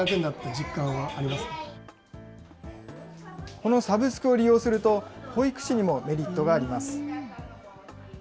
このサブスクを利用すると、保育士にもメリットがあります。